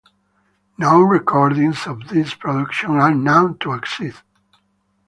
No recordings of this production are known to exist.